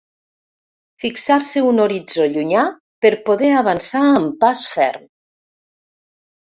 Fixar-se un horitzó llunyà per poder avançar amb pas ferm.